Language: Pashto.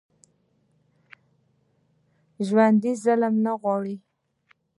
ژوندي ظلم نه غواړي